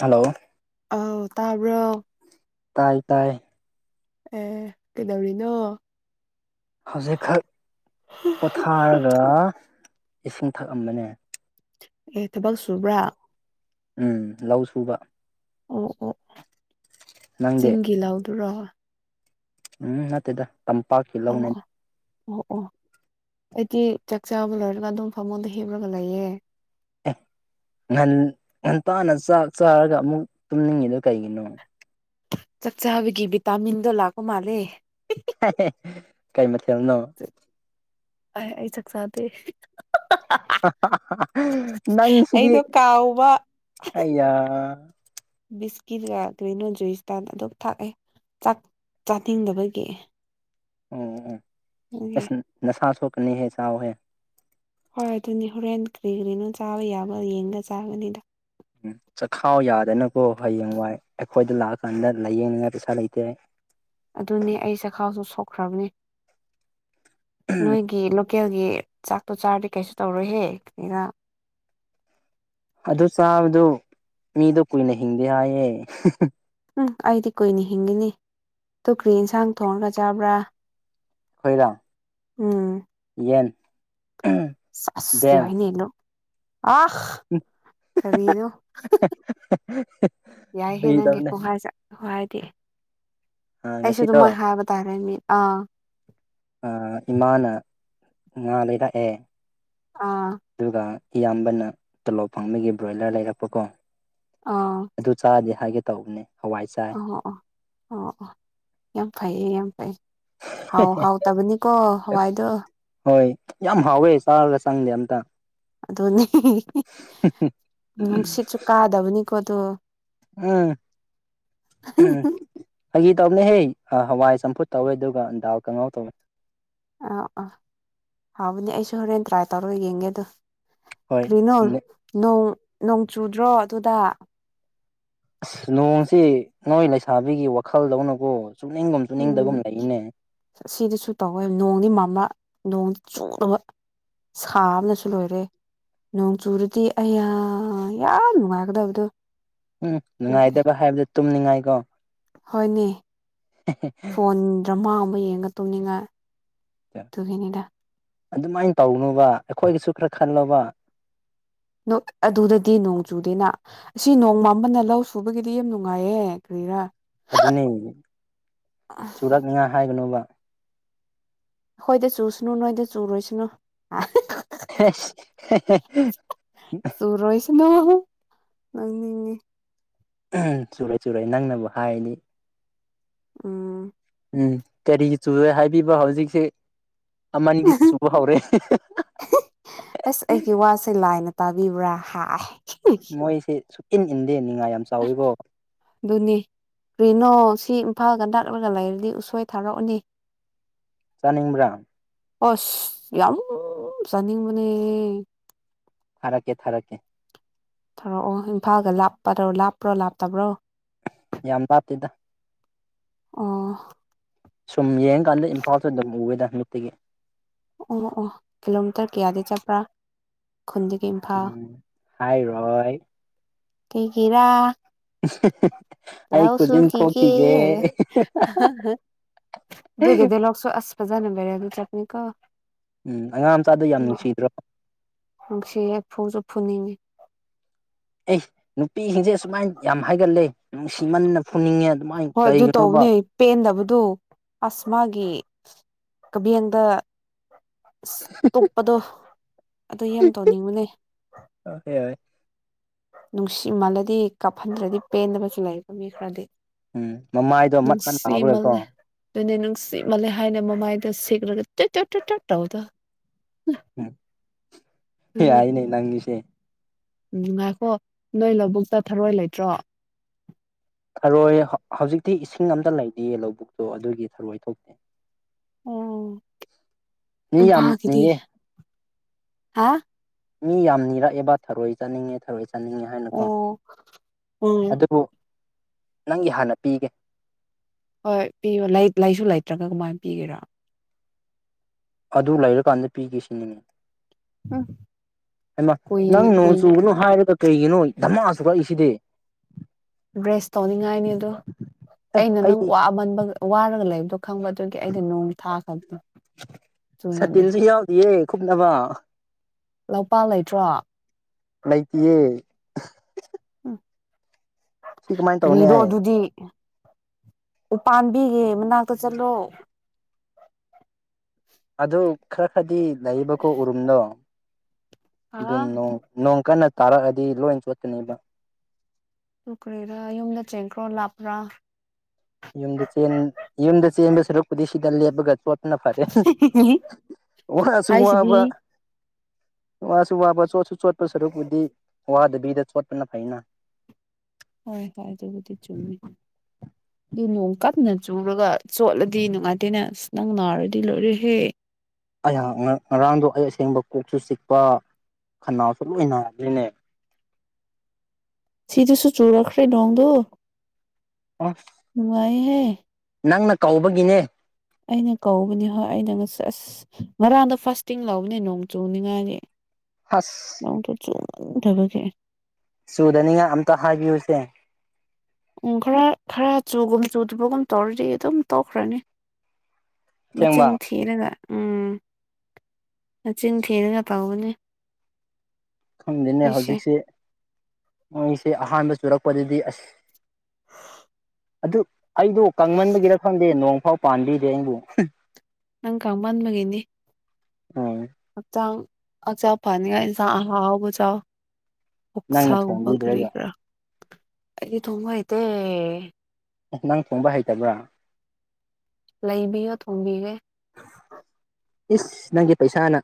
Hello ꯑꯥꯎ ꯇꯥꯕ꯭ꯔꯣ ꯇꯥꯏ ꯇꯥꯏ ꯑꯦ ꯀꯩꯗꯧꯔꯤꯅꯣ ꯍꯧꯖꯤꯛꯈꯛ ꯄꯣꯠꯊꯥꯔꯒ ꯏꯁꯤꯡ ꯊꯛꯑꯝꯕꯅꯦ ꯑꯦ ꯊꯕꯛ ꯁꯨꯕ꯭ꯔꯥ? ꯎꯝ ꯂꯧ ꯁꯨꯕ꯫ ꯑꯣ ꯑꯣ ꯅꯪꯗꯤ ꯆꯤꯡꯒꯤ ꯂꯧꯗꯨꯔꯣ? ꯎꯝ ꯅꯠꯇꯦꯗ ꯇꯝꯄꯥꯛꯀꯤ ꯂꯧꯅꯦꯟ ꯑꯣ ꯑꯣ ꯑꯣ ꯑꯩꯗꯤ ꯆꯥꯛ ꯆꯥꯕ ꯂꯣꯏꯔꯒ ꯑꯗꯨꯝ ꯐꯃꯨꯡꯗ ꯍꯤꯞꯔꯒ ꯂꯩꯌꯦ꯫ ꯑꯦ ꯉꯟ ꯉꯟꯇꯥꯅ ꯆꯥꯛ ꯆꯥꯔꯒ ꯑꯃꯨꯛ ꯇꯨꯝꯅꯤꯡꯉꯤꯗꯣ ꯀꯩꯒꯤꯅꯣ? ꯆꯥꯛ ꯆꯥꯕꯒꯤ ꯚꯤꯇꯃꯤꯟꯗꯣ ꯂꯥꯛꯄ ꯃꯥꯜꯂꯦ꯫ ꯍꯥ ꯍꯦ ꯀꯩ ꯃꯊꯦꯜꯅꯣ? ꯑꯥꯏ ꯑꯩ ꯆꯛ ꯆꯥꯗꯦ [unintelligible] ꯍꯥ ꯍꯥ ꯍꯥ ꯅꯪ ꯁꯤꯗꯤ ꯑꯩꯗꯣ ꯀꯥꯎꯕ ꯑꯥꯏꯌꯥ ꯕꯤꯁꯀꯤꯠꯒꯥ ꯀꯔꯤꯅꯣ ꯖꯨꯏꯁꯇꯟ ꯑꯗꯨꯝ ꯊꯥꯛꯑꯦꯥ ꯆꯥꯛ ꯆꯥꯅꯤꯡꯗꯕꯒꯤ꯫ ꯑꯣ ꯑꯣ ꯑꯣ ꯑꯗꯨꯒꯤ ꯑꯁ ꯅꯁꯥ ꯁꯣꯛꯀꯅꯤꯍꯦ ꯆꯥꯎꯍꯦ ꯍꯣꯏ ꯑꯗꯨꯅꯤ ꯍꯧꯔꯦꯟ ꯀ꯭ꯔꯤ ꯀ꯭ꯔꯤꯅꯣ ꯆꯥꯕ ꯌꯥꯕ ꯌꯦꯡꯉꯒꯥ ꯆꯥꯒꯅꯤꯗ꯫ ꯎꯝ ꯆꯛꯈꯥꯎ ꯌꯥꯗꯅꯀꯣ ꯍꯥꯌꯦꯡꯋꯥꯏ ꯑꯩꯈꯣꯏꯗ ꯂꯥꯛꯑꯀꯥꯟꯗ ꯂꯥꯏꯌꯦꯡ ꯅꯤꯡꯉꯥꯏ ꯄꯩꯁꯥ ꯂꯩꯇꯦ ꯑꯩ ꯑꯗꯨꯅꯦ ꯑꯩ ꯆꯥꯈꯥꯎꯁꯨ ꯁꯣꯛꯈ꯭ꯔꯕꯅꯦ ꯅꯣꯏꯒꯤ ꯂꯨꯞ ꯀꯦꯜꯒꯤ ꯆꯥꯛꯇꯣ ꯆꯥꯔꯗꯤ ꯀꯩꯁꯨ ꯇꯧꯔꯣꯏꯍꯦ ꯀꯔꯤꯔꯥ ꯑꯗꯨ ꯆꯥꯕꯗꯨ ꯃꯤꯗꯣ ꯀꯨꯏꯅ ꯍꯤꯡꯗꯦ ꯍꯥꯏꯌꯦ [unintelligible] ꯎꯝ ꯑꯩꯗꯤ ꯀꯨꯏꯅ ꯍꯤꯡꯒꯅꯤ꯫ ꯇꯨꯀ꯭ꯔꯤ ꯌꯦꯟꯁꯥꯡ ꯊꯣꯡꯔꯒ ꯆꯥꯕ꯭ꯔꯥ? ꯈꯣꯏꯔꯥꯡ ꯎꯝ ꯌꯦꯟ [unintelligible] ꯁꯥꯁ ꯗꯦꯝ ꯌꯥꯏꯅꯦ ꯅꯪ ꯑꯥ ꯀꯔꯤꯅꯣ [unintelligible] [unintelligible] ꯌꯥꯏꯍꯦ ꯅꯪꯒꯤ ꯐꯒꯤꯗꯕꯅꯦ ꯈꯨꯍꯥꯏꯁꯦ ꯈꯣ ꯍꯥꯏꯗꯤ ꯑꯩꯁꯨ ꯑꯗꯨꯃꯥꯏ ꯉꯁꯤꯗꯣ ꯍꯥꯏꯕ ꯇꯥꯔꯦ ꯃꯤ ꯑꯥ ꯑꯥ ꯏꯃꯥꯅ ꯉꯥ ꯂꯩꯔꯥꯛꯑꯦ ꯑꯥ ꯇꯨꯒꯥ ꯏꯌꯥꯝꯕꯅ ꯇꯣꯂꯣꯞ ꯐꯪꯕꯒꯤ ꯕ꯭ꯔꯣꯏꯂꯔ ꯂꯩꯔꯛꯄꯀꯣ ꯑꯥ ꯑꯗꯨ ꯆꯥꯗꯦ ꯍꯥꯏꯒꯦ ꯇꯧꯕꯅꯦ ꯍꯥꯋꯥꯏ ꯆꯥꯏ ꯑꯣ ꯑꯣ ꯑꯣ ꯑꯣ ꯌꯥꯝ ꯐꯩꯌꯦ ꯌꯥꯝ ꯐꯩ ꯍꯥꯎ ꯍꯥꯎꯇꯕꯅꯤꯀꯣ ꯍꯥꯋꯥꯏꯗꯨ ꯍꯣꯏ ꯌꯥꯝ ꯍꯥꯎꯋꯦ ꯆꯥꯔꯒ ꯆꯪꯗꯦ ꯑꯝꯇ꯫ ꯑꯗꯨꯅꯦ [unintelligible] ꯅꯨꯡꯁꯤꯠꯁꯨ ꯀꯥꯗꯕꯅꯤꯀꯣ ꯑꯗꯨ ꯎꯝ ꯎꯝ ꯐꯒꯤ ꯇꯧꯕꯅꯦꯍꯦ ꯑꯥ ꯍꯋꯥꯏ ꯆꯝꯐꯨꯠ ꯇꯧꯋꯦ ꯑꯗꯨꯒ ꯗꯥꯜ ꯀꯥꯉꯧ ꯇꯧꯋꯦ ꯑꯥ ꯑꯥ ꯍꯥꯎꯕꯅꯦ ꯑꯩꯁꯨ ꯍꯧꯔꯦꯟ ꯇ꯭ꯔꯥꯏ ꯇꯧꯔꯒ ꯌꯦꯡꯒꯦ ꯑꯗꯨ꯫ ꯍꯣꯏ ꯀ꯭ꯔꯤꯅꯣ ꯅꯣꯡ ꯅꯣꯡ ꯆꯨꯗ꯭ꯔꯣ ꯑꯗꯨꯗꯥ? ꯑꯁ ꯅꯣꯡꯁꯤ ꯅꯣꯏ ꯂꯩꯁꯥꯕꯤꯒꯤ ꯋꯥꯈꯜꯗꯧꯅꯀꯣ ꯆꯨꯅꯤꯡꯒꯨꯝ ꯆꯨꯅꯤꯡꯗꯒꯨꯝ ꯂꯩꯅꯦ꯫ ꯑꯁꯤꯗꯁꯨ ꯇꯧꯋꯦ ꯅꯣꯡꯗꯤ ꯃꯝꯕ ꯅꯣꯡꯗꯤ ꯆꯨꯗꯕ ꯁꯥꯕꯅꯁꯨ ꯂꯣꯏꯔꯦ ꯅꯣꯡ ꯆꯨꯨꯔꯗꯤ ꯑꯌꯥ ꯌꯥꯝ ꯅꯨꯡꯉꯥꯏꯒꯗꯕꯗꯣ ꯎꯝ ꯅꯨꯡꯉꯥꯏꯗꯕ ꯍꯥꯏꯕꯗꯣ ꯇꯨꯝꯅꯤꯡꯉꯥꯏꯀꯣ? ꯍꯣꯏꯅꯦ ꯐꯣꯟ ꯗ꯭ꯔꯃꯥꯒꯨꯝꯕ ꯌꯦꯡꯉꯒ ꯇꯨꯝꯅꯤꯡꯉꯥꯏ꯫ ꯇꯨꯒꯤꯅꯤꯗ꯫ ꯑꯗꯨꯃꯥꯏꯅ ꯇꯧꯅꯣꯕ ꯑꯩꯈꯣꯏꯒꯤꯁꯨ ꯈꯔ ꯈꯜꯂꯣꯕ ꯑꯗꯣ ꯑꯗꯨꯗꯗꯤ ꯅꯣꯡ ꯆꯨꯗꯦꯅ ꯑꯁꯤ ꯅꯣꯡ ꯃꯝꯕꯅꯦ ꯂꯧ ꯁꯨꯕꯒꯤꯗꯤ ꯌꯥꯝ ꯅꯨꯡꯉꯥꯏꯌꯦ ꯀꯔꯤꯔꯥ ꯑꯗꯨꯅꯦ ꯆꯨꯔꯛꯅꯤꯉꯥꯏ ꯍꯥꯏꯒꯅꯣꯕ ꯑꯩꯈꯣꯏꯗ ꯆꯨꯁꯅꯨ ꯅꯣꯏꯗ ꯆꯨꯔꯣꯏꯁꯅꯨ [unintelligible] ꯅꯣꯡ ꯅꯣꯛꯅꯤꯡꯉꯦ ꯆꯨꯔꯣꯏ ꯆꯨꯔꯣꯏ ꯅꯪꯅꯕꯨ ꯍꯥꯏꯔꯗꯤ ꯎꯝ ꯎꯝ ꯀꯔꯤ ꯆꯨꯨꯔꯣꯏ ꯍꯥꯏꯕꯤꯕ ꯍꯧꯖꯤꯛꯁꯦ ꯑꯃ ꯅꯤꯗꯤ ꯆꯨꯕ ꯍꯧꯔꯦ ꯑꯁ ꯑꯩꯒꯤ ꯋꯥꯁꯦ ꯂꯥꯏꯅ ꯇꯥꯕꯤꯕ꯭ꯔꯥ ꯍꯥꯏ ꯃꯣꯏꯁꯦ ꯁꯨꯛ ꯏꯟ ꯏꯟꯗꯦ ꯅꯤꯉꯥꯏ ꯌꯥꯝ ꯆꯥꯎꯏꯕꯣ ꯑꯗꯨꯅꯤ ꯀꯔꯤꯅꯣ ꯁꯤ ꯏꯝꯐꯥꯜꯒ ꯅꯛꯂꯒ ꯂꯩꯔꯗꯤ ꯎꯁꯣꯏ ꯊꯥꯔꯛꯎꯅꯦ [inaudible] ꯆꯥꯅꯤꯡꯕ꯭ꯔꯥ ꯑꯁ ꯌꯥꯝ ꯆꯥꯅꯤꯡꯕꯅꯦ ꯊꯥꯔꯛꯀꯦ ꯊꯥꯔꯛꯀꯦ ꯊꯥꯔꯛꯑꯣ ꯏꯝꯐꯥꯜꯒ ꯂꯥꯞꯄꯔꯣ ꯂꯥꯞꯄ꯭ꯔꯣ ꯂꯥꯞꯇꯕ꯭ꯔꯣ ꯌꯥꯝ ꯂꯥꯞꯇꯦꯗ ꯑꯣ ꯁꯨꯝ ꯌꯦꯡ ꯗꯨꯀꯥꯟꯗ ꯏꯝꯐꯥꯜꯁꯨ ꯅꯝꯕꯨꯌꯦꯗ ꯅꯨꯇꯤꯒꯤ ꯑꯣ ꯑꯣ ꯀꯤꯂꯣꯃꯤꯇꯔ ꯀꯌꯥꯗꯤ ꯆꯠꯄ꯭ꯔꯥ ꯈꯨꯟꯗꯒꯤ ꯏꯝꯐꯥꯜ ꯎꯝ ꯍꯥꯏꯔꯣꯏ ꯀꯩꯒꯤꯔꯥ ꯑꯩ ꯂꯧ ꯈꯨꯖꯤꯟ ꯁꯨꯈꯤꯒꯦ ꯈꯣꯛꯈꯤꯒꯦ ꯍꯥꯏꯌꯨ ꯑꯗꯨꯒꯤꯗꯤ ꯂꯧꯁꯨ ꯑꯁ ꯐꯖꯅ ꯂꯩꯔꯝꯗ꯭‌ꯔꯕꯅꯤꯀꯣ ꯎꯝ ꯑꯉꯥꯡ ꯃꯆꯥꯗꯣ ꯌꯥꯝ ꯅꯨꯡꯁꯤꯗ꯭ꯔꯣ ꯅꯨꯡꯁꯤꯌꯦ ꯐꯨꯁꯨ ꯐꯨꯅꯤꯡꯉꯦ ꯑꯦ ꯅꯨꯄꯤꯁꯤꯡꯁꯦ ꯁꯨꯃꯥꯏꯅ ꯌꯥꯝ ꯍꯥꯏꯒꯟꯂꯦ ꯅꯨꯡꯁꯤꯃꯟꯅ ꯐꯨꯅꯤꯡꯉꯦ ꯑꯗꯨꯃꯥꯏꯅ ꯍꯣꯏ ꯑꯗꯨ ꯀꯩꯒꯤꯅꯣꯕ ꯇꯧꯕꯅꯦ ꯄꯦꯟꯗꯕꯗꯨ ꯑꯁ ꯃꯥꯒꯤ [unintelligible] ꯑꯁ ꯇꯨꯞꯄꯗꯣ ꯑꯗꯨ ꯌꯥꯝ ꯇꯧꯅꯤꯡꯕꯅꯦ [unintelligible] ꯅꯨꯡꯁꯤꯃꯜꯂꯗꯤ ꯀꯞꯐꯟꯗ꯭ꯔꯗꯤ ꯄꯦꯟꯗꯕꯁꯨ ꯂꯩꯕꯅꯦ ꯃꯤ ꯈꯔꯗꯤ ꯎꯝ ꯃꯃꯥꯏꯗꯣ ꯃꯠ ꯃꯟ ꯂꯥꯎꯔꯒꯀꯣ ꯅꯨꯡꯁꯤꯃꯜꯂꯦ ꯑꯗꯨꯅꯦ ꯅꯨꯡꯁꯤꯃꯜꯂꯦ ꯍꯥꯏꯅ ꯃꯃꯥꯏꯗ ꯁꯤꯛꯂꯒ ꯇ꯭ꯔꯦꯠ ꯇ꯭ꯔꯦꯠ ꯇ꯭ꯔꯦꯠ ꯇ꯭ꯔꯦꯠ ꯇꯧꯕꯗꯣ ꯎꯝ ꯎꯝ ꯌꯥꯏꯅꯦ ꯅꯪꯁꯦ ꯎꯝ ꯉꯥꯏꯈꯣ ꯅꯣꯏ ꯂꯧꯕꯨꯛꯇ ꯊꯔꯣꯏ ꯂꯩꯇ꯭ꯔꯣ ꯊꯔꯣꯏ ꯍꯧꯖꯤꯛꯇꯤ ꯏꯁꯤꯡ ꯑꯝꯇ ꯂꯩꯇꯤꯌꯦ ꯂꯧꯕꯨꯛꯇꯣ ꯑꯗꯨꯒꯤ ꯊꯔꯣꯏ ꯊꯣꯛꯇꯦ ꯑꯣ ꯃꯤ ꯌꯥꯝ ꯏꯝꯐꯥꯜꯒꯤꯗꯤ ꯅꯤꯌꯦ ꯍꯥ ꯃꯤ ꯌꯥꯝ ꯅꯤꯔꯛꯑꯦꯕ ꯊꯔꯣꯏ ꯆꯥꯅꯤꯡꯉꯦ ꯊꯔꯣꯏ ꯆꯥꯅꯤꯡꯉꯦ ꯍꯥꯏꯅꯀꯣ ꯑꯣ ꯎꯝ ꯑꯗꯨꯕꯨ ꯅꯪꯒꯤ ꯍꯥꯟꯅ ꯄꯤꯒꯦ ꯍꯣꯏ ꯄꯤꯌꯣ ꯂꯩ ꯂꯩꯥꯁꯨ ꯂꯩꯇ꯭ꯔꯒ ꯀꯃꯥꯏꯅ ꯄꯤꯒꯦꯔ ꯑꯗꯨ ꯂꯩꯔꯀꯥꯟꯗ ꯄꯤꯒꯦ ꯁꯤꯅꯤꯅꯦ ꯎꯝ ꯍꯩꯃꯥ ꯀꯨꯏ ꯅꯪ ꯅꯣꯡ ꯀꯨꯏ ꯆꯨꯒꯅꯨ ꯍꯥꯏꯔꯒ ꯀꯩꯒꯤꯅꯣ ꯙꯃꯥ ꯆꯨꯔꯛꯏꯁꯤꯗꯤ ꯕ꯭ꯔꯦꯁ ꯇꯧꯅꯤꯡꯉꯥꯏꯅꯤ ꯑꯗꯨ ꯑꯦ ꯑꯩꯅ ꯅꯪ ꯑꯩ ꯋꯥꯃꯟꯕꯒ ꯋꯥꯔꯒ ꯂꯩꯕꯗꯣ ꯈꯪꯕ ꯑꯗꯨꯒꯤ ꯑꯩꯩꯅ ꯅꯣꯡ ꯊꯥ ꯈ [unintelligible] ꯁꯥꯇꯤꯟꯁꯨ ꯌꯥꯎꯗꯤꯌꯦ ꯀꯨꯞꯅꯕ ꯂꯧꯄꯥꯛ ꯂꯩꯇ꯭ꯔꯣ ꯂꯩꯇꯤꯌꯦ ꯍꯝ ꯁꯤ ꯀꯃꯥꯏꯅ ꯇꯧꯅꯤ ꯀꯔꯤꯔꯣ ꯑꯩ ꯑꯗꯨꯗꯤ ꯎ ꯄꯥꯟꯕꯤꯒꯤ ꯃꯅꯥꯛꯇ ꯆꯠꯂꯣ ꯑꯗꯨ ꯈꯔ ꯈꯔꯗꯤ ꯂꯩꯕꯀꯣ ꯎꯔꯨꯝꯗꯣ ꯑꯗꯨ ꯑꯥ ꯅꯣꯡ ꯅꯣꯡ ꯀꯟꯅ ꯇꯥꯔꯛꯑꯗꯤ ꯂꯣꯏ ꯆꯣꯠꯀꯅꯦꯕ ꯑꯗꯨ ꯀꯔꯤꯔ ꯌꯨꯝꯗ ꯆꯦꯟꯈ꯭ꯔꯣ ꯂꯥꯞꯄ꯭ꯔꯥ ꯌꯨꯝꯗ ꯆꯦꯟ ꯌꯨꯝꯗ ꯆꯦꯟꯕ ꯁꯔꯨꯛꯄꯨꯗꯤ ꯁꯤꯗ ꯂꯦꯞꯄꯒ ꯆꯣꯠ ꯄꯅ ꯐꯔꯦ [unintelligible] ꯋꯥꯁꯨ ꯍꯥꯏꯁꯤꯗꯤ ꯋꯥꯕ ꯋꯥꯁꯨ ꯋꯥꯕ ꯆꯣꯠꯁꯨ ꯆꯣꯠꯄ ꯁꯔꯨꯛꯄꯨꯗꯤ ꯋꯥꯗꯕꯤꯗ ꯆꯣꯠꯄꯅ ꯐꯩꯅ ꯍꯣꯏ ꯍꯣꯏ ꯑꯗꯨꯕꯨꯗꯤ ꯆꯨꯝꯃꯤ ꯑꯗꯨ ꯅꯣꯡ ꯀꯟꯅ ꯆꯨꯔꯒ ꯆꯣꯠꯂꯗꯤ ꯅꯨꯡꯉꯥꯏꯇꯦꯅꯦ ꯑꯁ ꯅꯪ ꯅꯥꯔꯗꯤ ꯂꯣꯏꯔꯦꯍꯦ ꯑꯩꯌꯥ ꯉ ꯉꯔꯥꯡꯗꯣ ꯑꯩ ꯑꯁꯦꯡꯕ ꯀꯣꯛꯁꯨ ꯆꯤꯛꯄ ꯈꯅꯥꯎꯁꯨ ꯂꯣꯏ ꯅꯥꯒ꯭ꯔꯦꯅꯦ ꯁꯤꯗꯁꯨ ꯆꯨꯔꯛꯈ꯭ꯔꯦ ꯅꯣꯡꯗꯣ [unintelligible] ꯅꯨꯡꯉꯥꯏ ꯍꯦ ꯅꯪꯅ ꯀꯧꯕꯒꯤꯅꯦ ꯑꯩꯅ ꯀꯧꯕꯅꯤ ꯍꯣꯏ ꯑꯩꯅ ꯉꯁ ꯑꯁ ꯉꯔꯥꯡꯗꯣ ꯐ꯭ꯔꯥꯁꯇꯤꯡ ꯂꯧꯕꯅꯦ ꯅꯣꯡ ꯆꯨꯅꯤꯉꯥꯏꯒꯤ ꯑꯁ [unintelligible] ꯁꯨꯗꯅꯤꯡꯉꯥꯏ ꯑꯝꯇ ꯍꯥꯏꯕꯤꯌꯨꯁꯦ ꯎꯝ ꯈꯔ ꯈꯔ ꯆꯨꯒꯨꯝ ꯆꯨꯗꯕꯒꯨꯝ ꯇꯧꯔꯗꯤ ꯑꯗꯨꯝ ꯇꯣꯛꯈ꯭ꯔꯅꯤ ꯑꯁꯦꯡꯕ ꯃꯆꯤꯟꯊꯤ ꯊꯤꯔꯒ ꯎꯝ ꯃꯆꯤꯟ ꯊꯤꯔꯒ ꯇꯥꯎꯒꯅꯦ ꯈꯪꯗꯦꯅꯦ ꯍꯧꯖꯤꯛꯁꯤ ꯃꯣꯏꯁꯦ ꯑꯍꯥꯟꯕ ꯆꯨꯔꯛꯄꯗꯗꯤ ꯑꯁ ꯑꯗꯨ ꯑꯩꯗꯣ ꯀꯪꯃꯟꯕꯒꯤꯔ ꯈꯪꯗꯦ ꯅꯣꯡ ꯐꯥꯎ ꯄꯥꯟꯕꯤꯗꯦ ꯑꯩꯕꯨ ꯅꯪ ꯀꯪꯃꯟꯕꯒꯤꯅꯤ ꯎꯝ ꯍꯛꯆꯥꯡ ꯍꯛꯆꯥꯡ ꯐꯅꯤꯉꯥꯏ ꯏꯟꯁꯥꯡ ꯑꯍꯥꯥꯎ ꯑꯍꯥꯎꯕ ꯆꯥꯎ ꯅꯪꯅ ꯑꯣꯛꯁꯥꯒꯨꯝꯕ ꯀꯔꯤ ꯊꯣꯡꯕꯤꯗ꯭ꯔꯒ ꯀꯔꯥ ꯑꯩꯗꯤ ꯊꯣꯡꯕ ꯍꯩꯇꯦ ꯑ ꯅꯪ ꯊꯣꯡꯕ ꯍꯩꯇꯕ꯭ꯔꯥ ꯂꯩꯕꯤꯌꯣ ꯊꯣꯡꯕꯤꯒꯦ ꯏꯁ ꯅꯪꯒꯤ ꯄꯩꯁꯥꯅ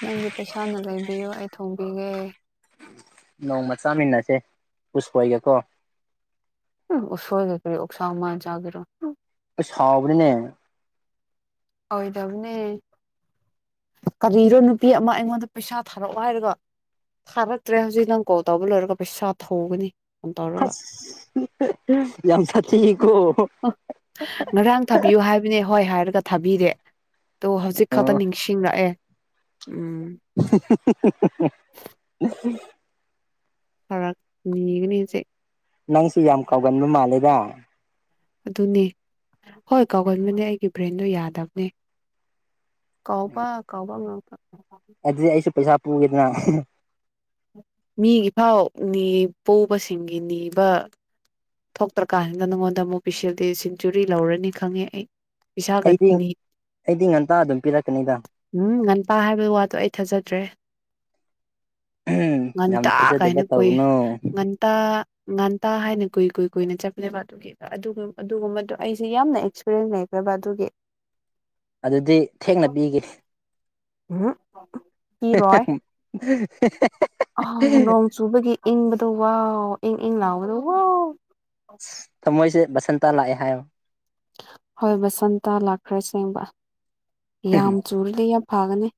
ꯅꯪꯒꯤ ꯄꯩꯁꯥꯅ ꯂꯩꯕꯤꯌꯨ ꯑꯩ ꯊꯣꯡꯕꯤꯒꯦ ꯅꯣꯡꯃ ꯆꯥꯃꯤꯟꯅꯁꯦ ꯎꯁꯣꯏꯒꯀꯣ ꯎꯝ ꯎꯁꯣꯏꯒ ꯀꯔꯤ ꯑꯣꯛꯁꯥ ꯀꯃꯥꯏ ꯆꯥꯒꯦꯔꯣ ꯑꯩꯁ ꯍꯥꯎꯕꯅꯤꯅꯦ ꯑꯣꯏꯗꯕꯅꯤ ꯀꯔꯤꯔꯣ ꯅꯨꯄꯤ ꯑꯃ ꯑꯩꯉꯣꯟꯗ ꯄꯩꯁꯥ ꯊꯥꯔꯛꯑꯣ ꯍꯥꯏꯔꯒ ꯊꯥꯔꯛꯇ꯭ꯔꯦ ꯍꯧꯖꯤꯛ ꯅꯪ ꯀꯣꯜ ꯇꯧꯕ ꯂꯣꯏꯔꯒ ꯄꯩꯁꯥ ꯊꯧꯒꯅꯤ ꯐꯣꯟ ꯇꯧꯔꯒ ꯑꯁ ꯌꯥꯝ ꯁꯥꯊꯤꯌꯦꯀꯣ ꯉꯔꯥꯡ ꯊꯥꯕꯤꯌꯨ ꯍꯥꯏꯕꯅꯦ ꯍꯣꯏ ꯍꯥꯏꯔꯒ ꯊꯥꯕꯤꯗꯦ ꯑꯗꯣ ꯍꯧꯖꯤꯛꯈꯛ ꯑꯝꯇ ꯑꯣ ꯅꯤꯡꯁꯤꯡꯉꯛꯑꯦ ꯎꯝ [unintelligible] ꯐꯔꯛ ꯅꯒꯅꯤꯁꯦ ꯅꯪꯁꯨ ꯌꯥꯝ ꯀꯥꯎꯒꯟꯕ ꯃꯥꯜꯂꯦꯗ ꯑꯗꯨꯅꯦ ꯍꯣꯏ ꯀꯥꯎꯒꯟꯕꯅꯦ ꯑꯩꯒꯤ ꯕ꯭ꯔꯦꯟꯗꯣ ꯌꯥꯗꯕꯅꯦ ꯀꯥꯎꯕꯥ ꯀꯥꯎꯕ ꯉꯝꯄꯥ ꯑꯗꯨꯗꯤ ꯑꯩꯁꯨ ꯄꯩꯁꯥ ꯄꯨꯒꯦꯗꯅ ꯃꯤꯒꯤꯐꯥꯎ ꯅꯤ ꯄꯨꯕꯁꯤꯡꯒꯤ ꯅꯤꯕ ꯊꯣꯛꯇ꯭ꯔꯀꯥꯟꯁꯤꯗ ꯅꯪꯉꯣꯟꯗ ꯑꯃꯨꯛ ꯄꯤꯁꯤꯜ ꯗꯤ ꯁꯦꯟꯆꯨꯔꯤ ꯂꯧꯔꯅꯤ ꯈꯪꯉꯦ ꯑꯩ ꯏꯁꯥꯒ ꯑꯩꯗꯤ ꯅꯤ ꯑꯩꯗꯤ ꯉꯟꯇꯥ ꯑꯗꯨꯝ ꯄꯤꯔꯛꯀꯅꯤꯗ ꯎꯝ ꯉꯟꯇꯥ ꯍꯥꯏꯕꯩ ꯋꯥꯗꯣ ꯑꯩ ꯊꯥꯖꯗ꯭ꯔꯦ ꯌꯥꯝ ꯉꯟꯇꯥ ꯊꯥꯖꯗꯕ ꯀꯥꯏꯅ ꯀꯨꯏ ꯇꯧꯒꯅꯨ ꯉꯟꯇꯥ ꯉꯥꯟꯇꯥ ꯍꯥꯏꯅ ꯀꯨꯏ ꯀꯨꯏ ꯀꯨꯏꯅ ꯆꯠꯄꯅꯦꯕ ꯑꯗꯨꯒꯤ ꯑꯗꯨꯒꯨꯝꯕꯗꯣ ꯑꯩꯁꯦ ꯌꯥꯝꯅ ꯑꯦꯛꯁꯄꯤꯔꯦꯟꯁ ꯂꯩꯈ꯭ꯔꯕ ꯑꯗꯨꯒꯤ ꯑꯗꯨꯗꯤ ꯊꯦꯡꯅ ꯄꯤꯒꯦ ꯎꯝ ꯀꯤꯔꯣꯏ [unintelligible] ꯑꯥꯎ ꯅꯣꯡ ꯆꯨꯕꯒꯤ ꯏꯪꯕꯗꯣ ꯋꯥ ꯏꯪ ꯏꯪ ꯂꯥꯎꯕꯗꯨ ꯋꯥꯎ ꯊꯃꯣꯏꯁꯦ ꯕꯥꯁꯟꯇ ꯂꯥꯛꯑꯦ ꯍꯥꯏꯌ ꯍꯣꯏ ꯕꯁꯟꯇꯥ ꯂꯥꯛꯈ꯭ꯔ ꯁꯦꯡꯕ ꯌꯥꯝ ꯆꯨꯔꯗꯤ ꯌꯥꯝ ꯐꯒꯅꯤ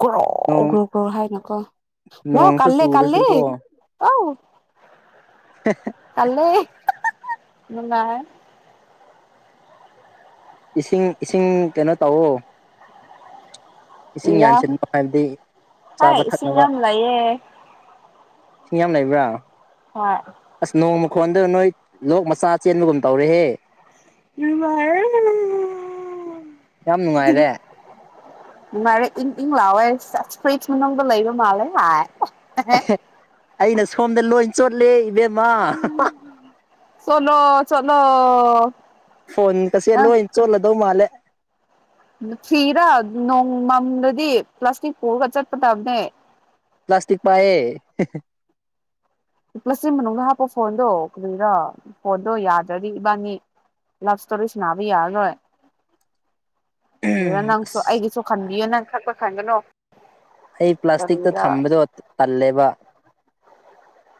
ꯒ꯭ꯔꯣ ꯅꯣꯡ ꯒ꯭ꯔꯣ ꯒ꯭ꯔꯣ ꯍꯥꯏꯅꯀꯣ ꯋꯥ ꯅꯣꯡꯁꯨ ꯀꯜꯂꯦ ꯀꯜꯂꯦ ꯆꯨꯔꯁꯨꯀꯣ ꯑꯥꯎ [unintelligible] ꯇꯜꯂꯦ ꯅꯨꯡꯉꯥꯏ ꯏꯁꯤꯡ ꯏꯁꯤꯡ ꯀꯩꯅꯣ ꯇꯧꯋꯣ ꯏꯁꯤꯡ ꯏꯔꯥ ꯌꯥꯟꯁꯤꯟꯕ ꯍꯥꯏꯕꯗꯤ ꯆꯥꯕ ꯍꯥꯏ ꯏꯁꯤꯡ ꯊꯛꯅꯕ ꯌꯥꯝ ꯂꯩꯌꯦ ꯏꯁꯤꯡ ꯌꯥꯝ ꯂꯩꯕ꯭ꯔꯥ ꯍꯣꯏ ꯑꯁ ꯅꯣꯡꯃꯣꯟꯗ ꯅꯣꯏ ꯂꯣꯛ ꯃꯆꯥ ꯆꯦꯟꯕꯒꯨꯝ ꯇꯧꯔꯦꯍꯦ ꯚ ꯌꯥꯝ ꯅꯨꯡꯉꯥꯏꯔꯦ ꯅꯨꯡꯉꯥꯏꯔꯦ ꯏꯪ ꯏꯪ ꯂꯥꯎꯑꯦ ꯏꯁ ꯑꯁ ꯐꯔꯤꯠ ꯃꯅꯨꯡꯗ ꯂꯩꯕ ꯃꯥꯜꯂꯦ ꯍꯥꯏ ꯑꯩꯅ ꯁꯣꯝꯗ ꯂꯣꯏ ꯆꯣꯠꯂꯦ ꯏꯕꯦꯝꯃ ꯆꯣꯂꯣ ꯆꯣꯠꯂꯣ ꯐꯣꯟ ꯀꯁꯦ ꯅꯪ ꯂꯣꯏꯟ ꯆꯣꯠꯂꯥꯗꯣ ꯃꯥꯂꯦ ꯃꯨꯊꯤꯔꯥ ꯅꯣꯡꯃꯝꯗꯗꯤ ꯄ꯭ꯂꯥꯁꯇꯤꯛ ꯄꯨꯔꯒ ꯆꯠꯄꯇꯝꯅꯦ ꯄ꯭ꯂꯥꯁꯇꯛ ꯄꯏꯌꯦ ꯄ꯭ꯂꯁꯁꯤ ꯃꯅꯨꯡꯗ ꯍꯥꯞꯄ ꯐꯣꯟꯗꯣ ꯀꯔꯤꯔ ꯐꯣꯟꯗꯣ ꯌꯥꯗ꯭ꯔꯗꯤ ꯏꯕꯥꯅꯤ ꯂꯚ ꯁ꯭ꯇꯣꯔꯤ ꯁꯅꯥꯕ ꯌꯥꯔꯔꯣꯏ ꯑꯗꯨꯗ ꯅꯪꯁꯨ ꯑꯁ ꯑꯩꯒꯤꯁꯨ ꯈꯟꯕꯤꯌꯨ ꯅꯪ ꯈꯛꯄ ꯈꯟꯒꯅꯨ ꯑꯩ ꯄ꯭ꯂꯥꯁꯇꯤꯛꯇ ꯀꯔꯤꯒꯤꯔꯥ ꯊꯝꯕꯗꯣ ꯇꯜꯂꯦꯕ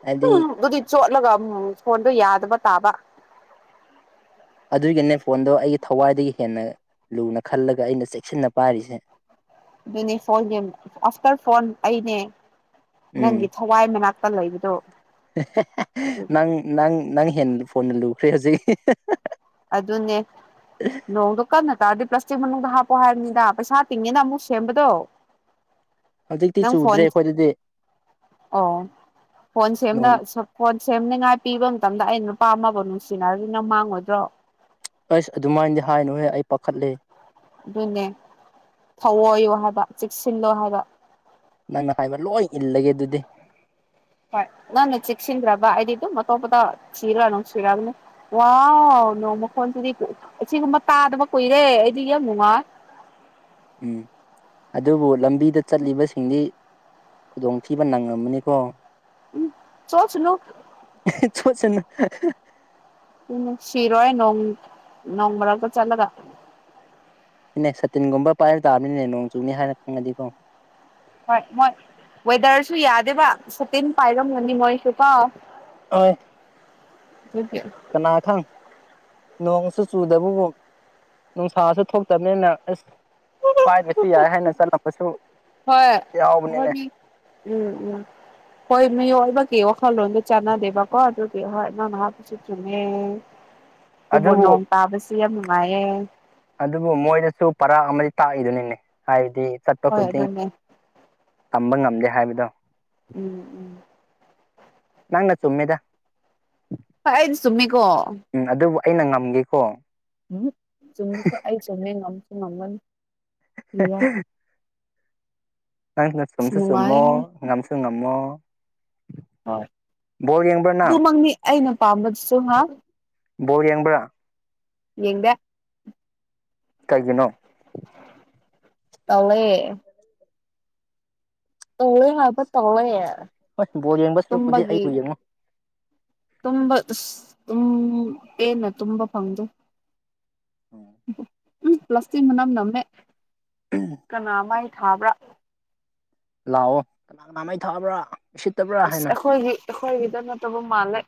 ꯍꯥꯏꯗꯤ ꯎꯝ ꯑꯗꯨꯗꯤ ꯆꯣꯠꯂꯒ ꯐꯣꯟꯗꯣ ꯌꯥꯗꯕ ꯇꯥꯕ ꯑꯗꯨꯒꯤꯅꯦ ꯐꯣꯟꯗꯣ ꯑꯩꯒꯤ ꯊꯋꯥꯏꯗꯒꯤ ꯍꯦꯟꯅ ꯂꯨꯅ ꯈꯜꯂꯒ ꯑꯩꯅ ꯆꯦꯛꯁꯤꯟꯅ ꯄꯥꯏꯔꯤꯁꯦ ꯑꯗꯨꯅꯦ ꯐꯣꯂꯒꯤꯝ ꯑꯥꯐꯇꯔ ꯐꯣꯟ ꯑꯩꯅꯦ ꯎꯝ ꯅꯪꯒꯤ ꯍꯋꯥꯏ ꯃꯅꯥꯛꯇ ꯂꯩꯕꯗꯣ ꯑꯗꯨꯒꯤ ꯅꯪ ꯅꯪ ꯅꯪ ꯍꯦꯟ ꯐꯣꯟꯅ ꯂꯨꯈ꯭ꯔꯦ ꯍꯧꯖꯤꯛ ꯑꯗꯨꯅꯦ ꯅꯣꯡꯗꯣ ꯀꯟꯅ ꯇꯥꯔꯗꯤ ꯄ꯭ꯂꯥꯁꯇꯤꯛ ꯃꯅꯨꯡꯗ ꯍꯥꯞꯄꯣ ꯍꯥꯏꯕꯅꯤꯗ ꯄꯩꯁꯥ ꯇꯤꯡꯉꯤꯅ ꯑꯃꯨꯛ ꯁꯦꯝꯕꯗꯣ ꯍꯧꯖꯤꯛꯇꯤ [inaudible] ꯅꯪ ꯐꯣꯟ ꯆꯨꯗ꯭ꯔꯦ ꯑꯩꯈꯣꯏꯗꯗꯤ ꯑꯣ ꯐꯣꯟ ꯁꯦꯝꯗ ꯅꯣꯡ ꯐꯣꯟ ꯁꯦꯝꯅꯤꯉꯥꯏ ꯄꯤꯕ ꯃꯇꯝꯗ ꯑꯩꯅ ꯅꯨꯄꯥ ꯑꯃꯕꯨ ꯅꯨꯡꯁꯤꯅꯔꯅꯤꯅ ꯃꯥꯡꯉꯣꯏꯗ꯭ꯔꯣ ꯑꯩꯁ ꯑꯗꯨꯃꯥꯏꯅꯗꯤ ꯍꯥꯏꯅꯨꯍꯦ ꯑꯩ ꯄꯥꯈꯠꯂꯦ ꯑꯗꯨꯅꯦ ꯊꯧꯑꯣꯏꯌꯣ ꯍꯥꯏꯕ ꯆꯦꯛꯁꯤꯜꯂꯣ ꯍꯥꯏꯕ ꯅꯪꯅ ꯍꯥꯏꯕ ꯂꯣꯏ ꯏꯜꯂꯒꯦ ꯑꯗꯨꯗꯤ ꯍꯣꯏ ꯅꯪꯅ ꯆꯦꯛꯁꯤꯟꯗ꯭ꯔꯕ ꯑꯩꯗꯤꯗꯨꯝ ꯑꯇꯣꯞꯄꯇ ꯊꯤꯔ ꯅꯨꯡ ꯁꯤꯔꯕꯅꯤ ꯋꯥꯎ ꯅꯣꯡ ꯃꯈꯣꯟꯖꯤꯗꯤ ꯑꯁꯤꯒꯨꯝꯕ ꯇꯥꯗꯕ ꯀꯨꯏꯔꯦ ꯑꯩꯗꯤ ꯌꯥꯝ ꯅꯨꯡꯉꯥꯏ ꯎꯝ ꯑꯗꯨꯕꯨ ꯂꯝꯕꯤꯗ ꯆꯠꯂꯤꯕꯁꯤꯡꯗꯤ ꯈꯨꯗꯣꯡꯊꯤꯕ ꯅꯪꯉꯝꯂꯅꯤꯀꯣ ꯎꯝ ꯆꫭꯠꯁꯅꯨ ꯆꫭꯠꯁꯅꯨ ꯎꯝ ꯁꯤꯔꯣꯏ ꯅꯣꯡ ꯅꯣꯡꯃꯔꯛ‌ꯇ ꯆꯠꯂꯒ ꯏꯅꯦ ꯁꯇꯤꯟꯒꯨꯝꯕ ꯄꯥꯏꯔ ꯇꯥꯕꯅꯤꯅꯦ ꯅꯣꯡ ꯆꯨꯅꯤ ꯍꯥꯏꯅ ꯈꯪꯉꯗꯤꯀꯣ ꯍꯣꯏ ꯃꯣꯏ ꯋꯦꯗꯔꯁꯨ ꯌꯥꯗꯦꯕ ꯁꯇꯤꯟ ꯄꯥꯏꯔꯝꯒꯅꯤ ꯃꯣꯏꯁꯨ ꯀꫭ ꯍꯣꯏ ꯀꯅꯥ ꯈꯪ ꯅꯣꯡꯁꯨ ꯆꯨꯗꯕꯒꯨꯝ ꯅꯨꯡꯁꯥꯁꯨ ꯊꯣꯛꯇꯕꯅꯤꯅ ꯑꯁ ꯄꯥꯏꯗꯔꯁꯨ ꯌꯥꯏ ꯍꯥꯏꯅ ꯆꯠꯂꯝꯕꯁꯨ ꯍꯣꯏ ꯍꯣꯏ ꯌꯥꯎꯕꯅꯤꯅꯦ ꯃꯤ ꯎꯝ ꯎꯝ ꯍꯣꯏ ꯃꯤꯑꯣꯏꯕꯒꯤ ꯋꯥꯈꯜꯂꯣꯟꯗ ꯆꯥꯟꯅꯗꯦꯕꯀꯣ ꯑꯗꯨꯗꯤ ꯍꯣꯏ ꯅꯪꯙ ꯍꯥꯏꯕꯁꯨ ꯆꯨꯝꯃꯦ ꯑꯗꯨꯕꯨ ꯅꯣꯡ ꯇꯥꯕꯁꯤ ꯌꯥꯝ ꯅꯨꯡꯉꯥꯏꯌꯦ ꯑꯗꯨꯕꯨ ꯃꯣꯏꯗꯁꯨ ꯄꯔꯥ ꯑꯃꯗꯤ ꯇꯥꯛꯏꯗꯨꯅꯤꯅꯦ ꯍꯥꯏꯗꯤ ꯆꯠꯄ ꯍꯣꯏ ꯈꯨꯗꯤꯡ ꯑꯗꯨꯅꯦ ꯇꯝꯕ ꯉꯝꯗꯦ ꯍꯥꯏꯕꯗꯣ ꯎꯝ ꯎꯝ ꯅꯪꯅ ꯆꯨꯝꯃꯦꯗ ꯍꫭꯏ ꯑꯩꯗꯤ ꯆꯨꯝꯃꯤꯀꫭ ꯎꯝ ꯑꯗꯨꯕꯨ ꯑꯩꯅ ꯉꯝꯒꯦꯀꯣ ꯎꯝ ꯆꯨꯝꯕꯁꯨ ꯑꯩ ꯆꯨꯝꯃꯦ ꯉꯝꯁꯨ ꯉꯝꯒꯅꯤ ꯀꯔꯤꯔ [inaudible] ꯅꯪꯅ ꯑꯁ ꯆꯨꯝꯁꯨ ꯆꯨꯝꯃꯣ ꯅꯨꯡꯉꯥꯏꯍꯦ ꯉꯝꯁꯨ ꯉꯝꯃꯣ ꯍꯣꯏ ꯕꯣꯜ ꯌꯦꯡꯕ꯭ꯔꯥ ꯅꯪ ꯑꯗꯨꯃꯛꯅꯤ ꯑꯩꯅ ꯄꯥꯝꯕꯗꯨꯁꯨ ꯍꯥ ꯕꯣꯜ ꯌꯦꯡꯕ꯭ꯔꯥ ꯌꯦꯡꯗꯦ ꯀꯩꯒꯤꯅꯣ ꯇꯜꯂꯦ ꯇꯜꯂꯦ ꯍꯥꯏꯕ ꯇꯜꯂꯦ ꯍꯣꯏ ꯕꯣꯜ ꯌꯦꯡꯕ ꯁꯔꯨꯛꯄꯨꯗꯤ ꯑꯩꯕꯨ ꯌꯦꯡꯉꯣ ꯇꯨꯝꯕ ꯑꯁ ꯇꯨꯝ ꯄꯦꯟꯅ ꯇꯨꯝꯕ ꯐꯪꯗꯦ ꯑꯣ ꯎꯝ ꯄ꯭ꯂꯥꯁꯇꯤꯛ ꯃꯅꯝ ꯅꯝꯃꯦ ꯎꯝ ꯀꯅꯥ ꯃꯩ ꯊꯥꯕ꯭ꯔꯥ ꯂꯥꯛꯑꯣ ꯀꯅꯥ ꯀꯅꯥꯃꯥꯏ ꯊꯛꯕ꯭ꯔꯥ ꯑꯁ ꯑꯩꯈꯣꯏꯒꯤ ꯑꯩꯈꯣꯏꯒꯤꯗ ꯅꯠꯇꯕ ꯃꯥꯜꯂꯦ